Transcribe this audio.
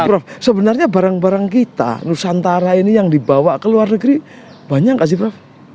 prof sebenarnya barang barang kita nusantara ini yang dibawa ke luar negeri banyak nggak sih prof